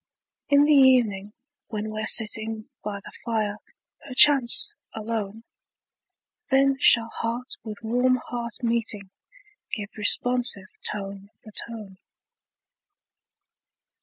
In the evening, when we're sitting By the fire, perchance alone, Then shall heart with warm heart meeting, Give responsive tone for tone.